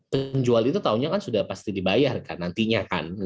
penjual itu taunya kan sudah pasti dibayar nantinya